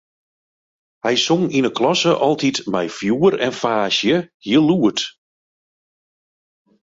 Hy song yn 'e klasse altyd mei fjoer en faasje, hiel lûd.